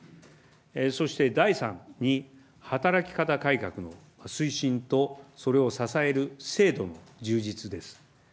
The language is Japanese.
そして第３に、働き方改革の推進と、それを支える制度の充実です。